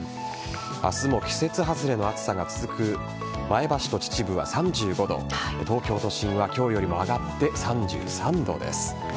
明日も季節外れの暑さが続く前橋と秩父は３５度東京都心は今日よりも上がって３３度です。